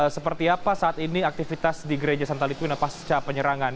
seperti apa saat ini aktivitas di gereja santa litwina pasca penyerangan